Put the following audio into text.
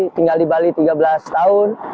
tinggal di bali tiga belas tahun